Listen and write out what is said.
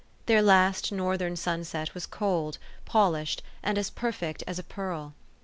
Their last Northern sunset was cold, polished, and perfect as a pearl.